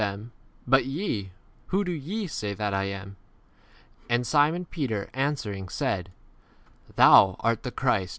them, But ye, whom do ye say that I am? And Peter answering says to him, 30 Thou art the Christ.